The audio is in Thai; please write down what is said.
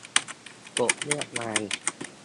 กบเลือกนาย